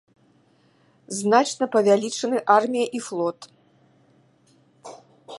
Значна павялічаны армія і флот.